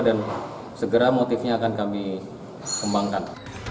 dan segera motifnya akan kami kembangkan